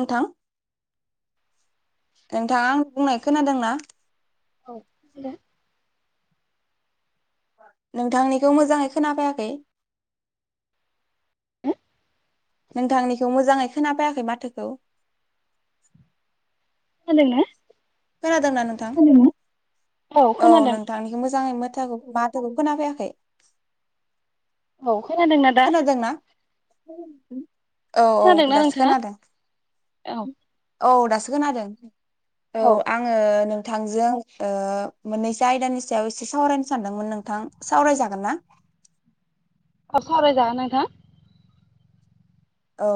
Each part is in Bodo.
औथां नोंथां बुंनाय खोनादोंना औ होनदों नोंथांनिखौ मोजाङै खोनाफैयाखै नोंथांनिखौ मोजाङै खोनाफैयाखै माथोखौ खोनादोंना? खोनादोंना नोंथां? औ नोंथांनिखौ मोजाङै मोथाखौ माथोखौ खोना फैयाखै औ खोनादोंना औ औ खोनादोंना दासो नोंथाङा खोनादों औ औ दासो खोनादों औ आङो नों नोंथांजों ओ मोननैसो आयदानि सायाव एसे सावरायनो सानदोंमोन नोंथां सावरायजागोन ना अ सावरायजागोन नोंथां औ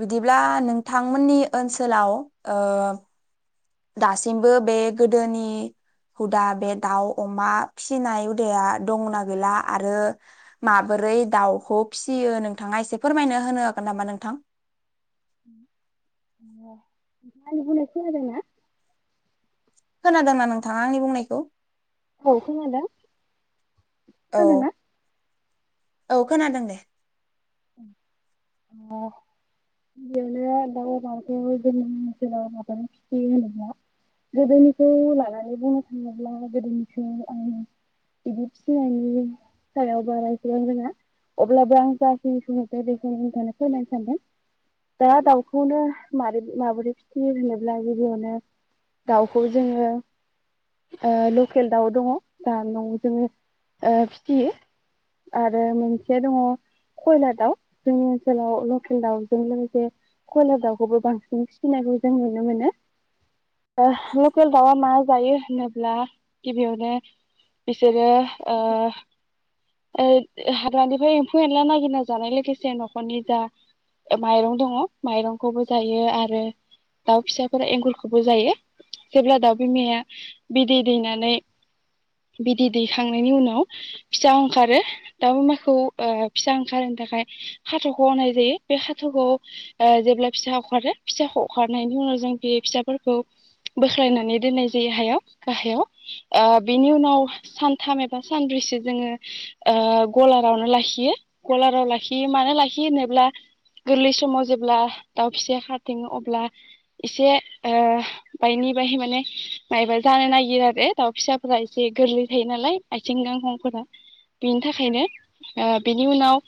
बिदिब्ला नोंथांमोननि ओनसोलाव ओ दासिमबो बे गोदोनि हुदा बे दाउ अमा फिसिनाय हुदाया दंना गैला आरो माबोरै दाउखौ फिसियो नोंथाङा एसे फोरमायनो होनो हागोन नामा नोंथां ए आंनि बुंनायखौ खोनादोंना? खोनादोंना नोंथाङा आंनि बुंनायखौ औ खोनादों, औ खोनादोंना? औ खोनादों दे। ओ जोङो दाव माबायाव जोंनि ओनसोलाव माबायो फिसियो होनोब्ला गोदोनिखौ लानानै बुंनो थाङोब्ला गोदोनिखौ आं इदि फिनायनि सायाव बारा इसिबां रोङा अब्लाबो आं जा [unintelligible] बेखौनो नोंथांनो फोरमायनो सानदों दा दावखौनो मारै माबोरै फिथियो होनोब्ला गिबियावनो दावखौ जोङो ओ लकेल दाव दङ दा न'आव जोङो ओ फिथियो आरो मोनसे दङ कयलार दाव जोंनि ओनसोलाव लकेल दावजों लोगोसे कयलार दावखौबो बांसिन फिसिनायखौ जों नुनो मोनो बा लकेल दावआ मा जायो होनोब्ला गिबियावनो बिसोरो ओ ओ हाग्रानिफ्राय एम्फौ एनला नाय गिरना जानाय लोगोसे न'खरनि जा माइरं दङ माइरंखौबो जायो आरो दाव फिसाफोरा एंखुरखौबो जायो। जेब्ला दाव बिमाया बिदै दैनानै बिदै दैखांनायनि उनाव फिसा ओंखारो दाव बिमाखौ ओ फिसा खारनो थाखाय खाथाख' होननाय जायो बे खाथाख' ओ जेब्ला फिसा अखारो फिसाखौ अखारनायनि उनाव जों बे फिसाफोरखौ बोख्लायनानै दोननाय जायो हायाव गाहायाव ओ बिनि उनाव सानथाम एबा सानब्रैसो जोङो ओ गलारावनो लाखियो। गलाराव लाखियो मानो लाखियो होनोब्ला गोरलै समाव जेब्ला दाव फिसाया खाारथिङो अब्ला एसे ओ बायनि बाय माने मायबा जानो नागिरो आरो दाउ फिसाफोरा एसे गोरलै थायो नालाय आइथिं गांखंफोरा बिनि थाखायनो ओ बेनि उनाव,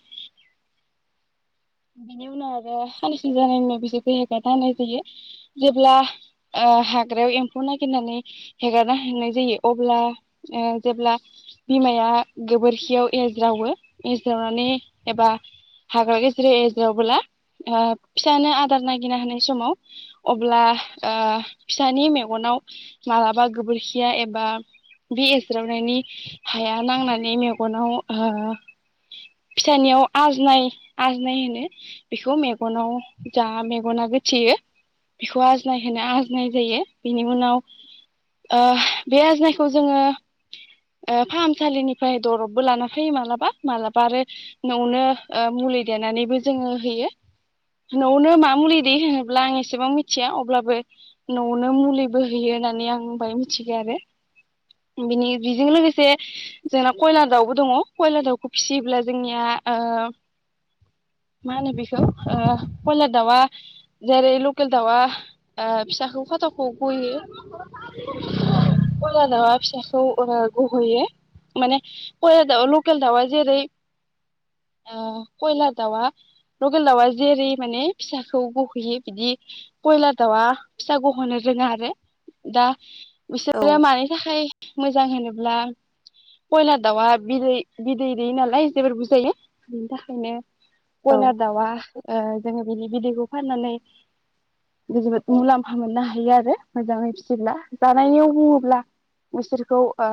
बिनि उनाव आरो खाननैसो जानाय उनाव बिसोरखौ हेगारना होनाय जायो जेब्ला ओ हाग्रायाव एम्फौ नागिरनानै हेगारना होनाय जायो अब्ला ओ जेब्ला बिमाया गोबोरखियाव एरज्रावो एरज्रावनानै एबा हाग्रा गेजेराव एरज्रावबोला ओ फिसानो आदार नागिरना हानाय समाव अब्ला ओ फिसानि मेगनाव मालाबा गोबोरखिया एबा बे एरज्रावनायनि हाया नांनानै मेगनाव ओ फिसानियाव आजनाय, आजनाय होनो बेखौ मेग'नाव जा मेगना गोथेयो बेखौ आजनाय होनो आजनाय जायो। बिनि उनाव ओ बे आजनायखौ जोङो ओ फाहामसालिनिफ्राय दरबबो लाना फैयो मालाबा। मालाबा आरो न'आवनो ओ मुलि देनानैबो जोङो होयो न'आवनो मा मुलि देयो होनोब्ला आं एसेबां मिथिया अब्लाबो न'आवनो मुलिबो होयो होननानै आं बाय मिथिगो आरो बिनि बिजों लोगोसे जोंना कयलार दावबो दङ कयलार दाव खौ फिसियोब्ला जोंनिया ओ मा होनो बिखौ ओ कयलार दावआ जेरै लकेल दावआ ओ फिसाखौ खाथाख'आव गहोयो कयलार दावआ फिसाखौ ओ गहोयो माने कयलार दावआ लकेल दावआ जेरै ओ कयलार दावआ लकेल दावआ जेरै माने फिसाखौ गहोयो बिदि कयलार दावआ फिसा गहोनो रोङा आरो दा औ बिसोरो मानि थाखाय मोज जां होनोब्ला कयलार दावआ बिदै बि दै दैयो नालाय जोबोर बुरजायै बिनि थाखायनो। कयलार औ दावआ ओ जोङो बिनि बिदैखौ फाननानै जोबोद मुलाम्फा मोननो हायो आरो मोजाङै फिसिब्ला जानाययाव बुङोब्ला बिसोरखौ ओ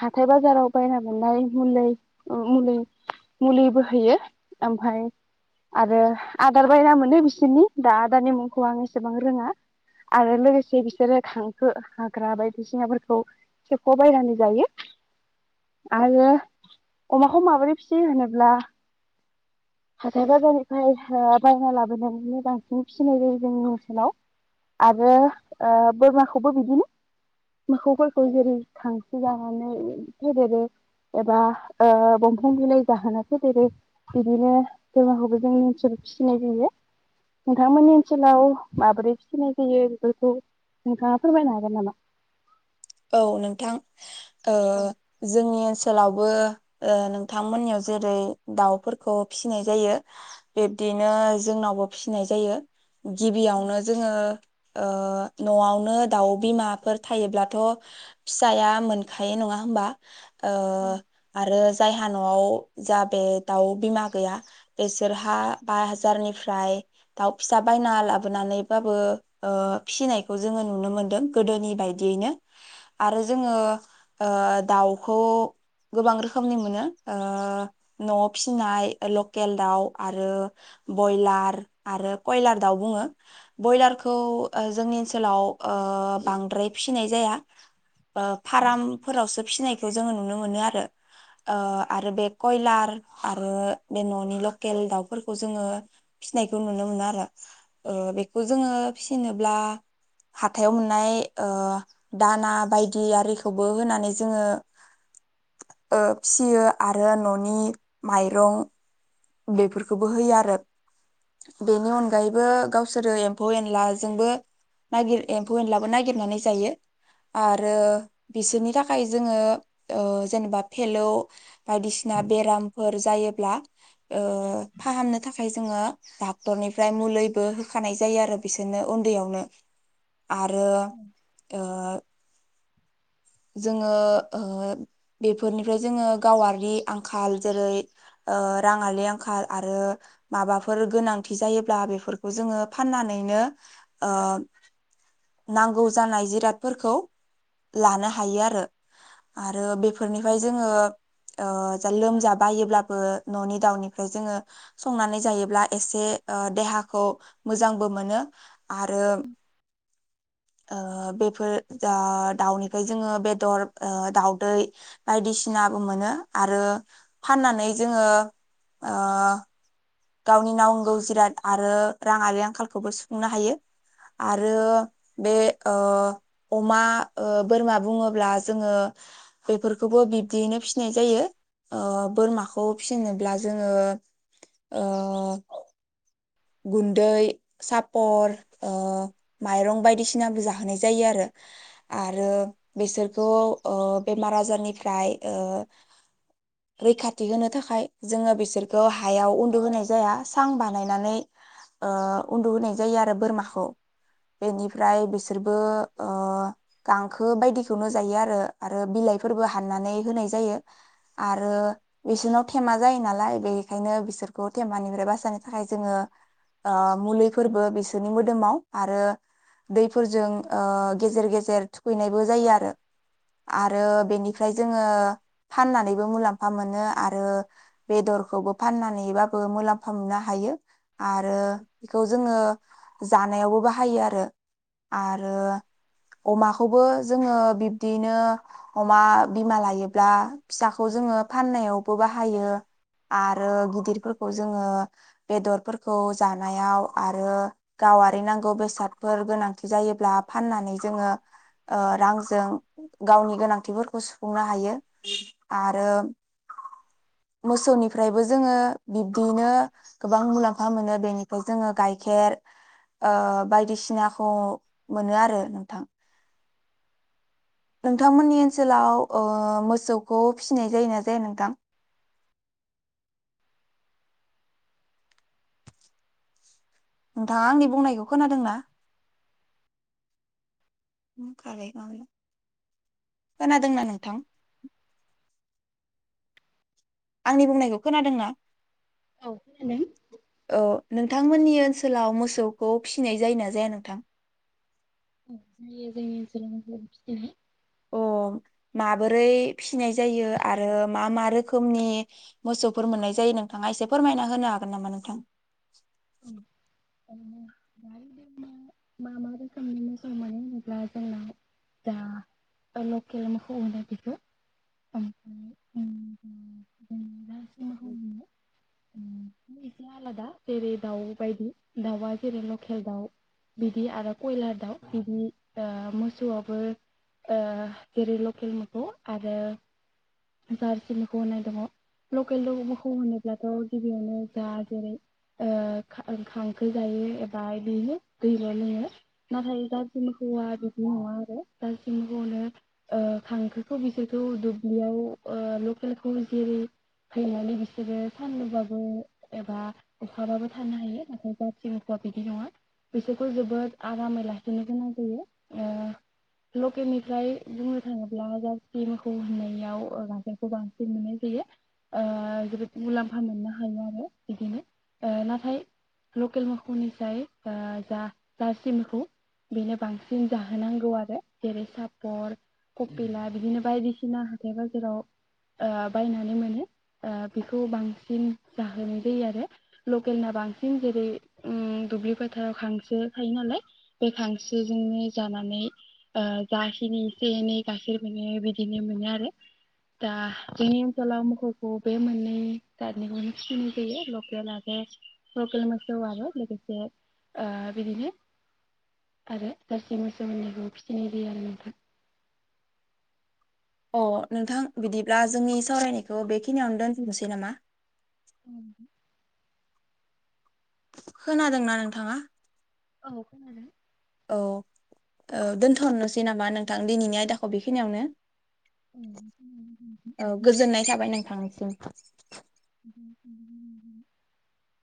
हाथाय बाजाराव बायना मोननाय मुलै औ मुलै मुलिबो होयो आमफाय आरो आदार बायना मोनो बिसोरनि दा आदारनि मुंखौ आं एसेबां रोङा आरो लोगोसे बिसोरो खांखो हाग्रा बायदिसिनाफोरखौ सेख' बायनानै जायो आरो अमाखौ माबोरै फिसियो होनोब्ला हाथाय बाजारनिफ्राय ओ बायना लाबोनानैनो बांसिन फिसिनाय जोंनि ओनसोलाव आरो ओ बोरमाखौबो बिदिनो मोसौफोरखौ जेरै गांसो जानानै फेदेरो एबा ओ बंफां बिलाइ जाहोना फेदेरो बिदिनो बोरमाखौबो जोंनि ओनसोलाव फिसिनाय जायो। नोंथांमोननि ओनसोलाव माबोरै फिसिनाय जायो बेफोरखौ नोंथाङा फोरमायनो हागोन नामा? औ नोंथां ओ औ जोंनि ओनसो सोलावबो ओ नोंथांमोननियाव जेरै दावफोरखौ फिसिनाय जायो बिब्दिनो जोंनावबो फिसिनाय जायो। गिबियावनो जोङो ओ न'आवनो दाउ बिमाफोर थायोब्लाथ' फिसाया मोनखायो नङा होमबा? ओ औ आरो जायहा न'आव जा बे दाव बिमा गैया बेसोरहा बा जारनिफ्राय दाव फिसा बायना लाबोनानैबाबो ओ फिसिनायखौ जोङो नुनो मोनदों गोदोनि बायदियैनो। आरो जोङो ओ दावखौ गोबां रोखोमनि मोनो ओ न'आव फिसिनाय लकेल दाव आरो बयलार आरो कयलार दाव बुङो बयलारखौ ओ जोंनि ओनसोलाव ओ बांद्राय फिसिनाय जाया। ओ फारामफोरावसो फिनायखौ जोङो नुनो मोनो आरो ओ आरो बे कयलार आरो बे न'नि लकेल दावफोरखौ जोङो फिनायखौ नुनो मोनो आरो ओ बेखौ जोङो फिनोब्ला हाथायाव मोननाय ओ दाना बायदि आरिखौबो होनानै जोङो ओ फिसियो आरो न'नि माइरं बेफोरखौबो होयो आरो बेनि अनगायैबो गावसोरो एम्फौ एनलाजोंबो नागिर एम्फौ एनलाबो नागिरनानै जायो आरो बिसोरनि थाखाय जोङो ओ जेनेबा फेलौ बायदिसिना बेरामफोर जायोब्ला ओ फाहामनो थाखाय जोङो डाक्टरनिफ्राय मुलैबो होखानाय जायो आरो बिसोरनो उन्दैयावनो। आरो ओ जोङो ओ बेफोरनिफ्राय जोङो गावारि आंखाल जेरै ओ राङारि आंखाल आरो माबाफोर गोनांथि जायोब्ला बेफोरखौ जोङो फाननानैनो ओ नांगौ जानाय जिरादफोरखौ लानो हा हायो आरो, आरो बे फोरनिफ्राय जोङो ओ जा लोमजा बायोब्लाबो न'नि दावनिफ्राय जोङो संनानै जायोब्ला एसे ओ देहाखौ मोजांबो मोनो आरो ओ बेफोर जा दावनि जोङो बेदर ओ दावदै बायदिसिनाबो मोनो आरो फाननानै जोङो ओ गावनि नांगौ जिराद आरो राङारि आंखालखौबो सुफुंनो हायो आरो बे ओ अमा ओ बोरमा बुङोब्ला जोङो बेफोरखौबो बिब्दियैनो फिनाय जायो ओ बोरमाखौ फिनोब्ला जोङो ओ गुन्दै सापर ओ माइरं बायदिसिनाबो जाहोनाय जायो आरो आरो बेसोरखौ ओ बेमार आजारनिफ्राय ओ रैखाथि होनो थाखाय जोङो बिसोरखौ हायाव उन्दु होनाय जाया सां बानायनानै ओ उन्दु होनाय जायो आरो बोरमाखौ बेनिफ्राय बिसोरबो ओ गांखो बायदिखौनो जायो आरो आरो बिलाइफोरबो हाननानै होनाय जायो आरो बिसोरनाव थेमा जायो नालाय बेनिखायनो बिसोरखौ थेमानिफ्राय बासायनो थाखाय जोङो मुलिफोरबो बिसोरनि मोदोमाव आरो दैफोरजों ओ गेजेर गेजेर थुखैनायबो जायो आरो आरो बेनिफ्राय जोङो फाननानैबो मुलाम्फा मोनो आरो बेदरखौबो फाननानैबाबो मुलाम्फा मोननो हायो। आरो बेखौ जोङो जानायावबो बाहायो आरो आरो अमाखौबो जोङो बिब्दियैनो अमा बिमा लायोब्ला फिसाखौ जोङो फाननायावबो बाहायो आरो गिदिरफोरखौ जोङो बेदरफोर खौ जानायाव आरो गावारि नांगौ बेसादफोर गोनांथि जायोब्ला फाननानै जोङो रांजों गावनि गोनांथिफोरखौ सुफुंनो हायो आरो मोसौनिफ्रायबो जोङो बिब्दियैनो गोबां मुलाम्फ फा मोनो बेनिफ्राय जोङो गाइखेर ओ बायदिसिनाखौ मोनो आरो नोंथां। नोंथांमोननि ओनसोलाव ओ मोसौखौ फिसिनाय जायोना जाया नोंथां? नोंथाङा आंनि बुंनायखौ खोनादोंना खोनादोंना नोंथां? आंनि बुंनायखौ खोनादों ना? औ। नोंथांमोननि ओनसोलाव मोसौखौ फिसिनाय जायो ना जाया नोंथां? औ जायो जोंनि ओनसोलाव [inaudible] अ माबोरै फिनाय जायो आरो मा मा रोखोमनि मोसौफोर मोननाय जायो नोंथाङा एसे फोरमायना होनो हागोन नामा नोंथां? दानि मा मा रोखोमनि मोसौ मोनो होनोब्ला जोंनाव जा लखेल मोखौ होनो बिखौ। जारसि मोखौ उ मोनो उम एसे दावआ जेरै लकेल दाउ बिदि आरो कयलार दाउ बिदि मोसौआवबो जेरै लकेल मोसौ आरो जारसि मोसौ होनाय दङ लकेल मोखौ होनोब्लाथ' गिबियावनो जा जेरै ओ खां खो जायो एबा बिनो दैल' लोङो नाथाय जारसि मोसौआ बिदि नङा आरो जारसि मोखौनो ओ खांखोखौ बिसोरखौ दुब्लियाव ओ लकेलखौ जेरै फैनानै बिसोरो सानदुंबाबो एबा अखाबाबो थानो हायो नाथाय जेनेखआ बिदि नङा बिसोरखौ जोबोद आरामै लाखिनो गोनां जायो ओ लकेलनिफ्राय बुंनो थाङोब्ला जारसि मोखौ होननायाव गायखेखौ बांसिन मोननाय जायो ओ जोबोद मुलाम्फा मोननो हायो आरो बिदिनो नाथाय लकेल मोसौनिसाय ओ जा जारसि मोखौ बेनो बांसिन जाहोनांगौ आरो जेरै सापर कपिला बिदिनो बायदिसिना हाथाय बाजाराव ओ बायनानै मोनो ओ बेखौ बांसिन जाहोनाय जायो आरो लकेलना बांसिन जे जेरै उम दुब्लि फोथाराव खांसो थायो नालाय बे खांसोजोंनो जानानै ओ जाखिनि एसे एनै गाइखेर मोनो बिदिनो मोनो आरो दा जोंनि ओनसोलाव मोखौ बे मोननै जादनिखौनो फिसिनाय जायो लकेल आरो लेकेल मो मोसौ आरो लोगोसे ओ बिदिनो आरो जारसि मोसौ होननायखौ फिसिनाय जायो आरो नोंथां। अ नोंथां बिदिब्ला जोंनि सावरायनायखौ बेखिनियावनो दोनथ'नोसै नामा। औ। खोनादोंना नोंथाङा। औ खोनादों। औ। औ दोनथ'नोसै नामा नों थां दिनैनि आयदाखौ बेखिनियावनो [inaudible] य नोंथां निसिम। [inaudible]